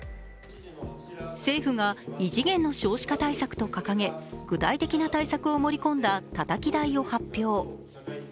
政府が異次元の少子化対策と掲げ、具体的な対策を盛り込んだたたき台を発表。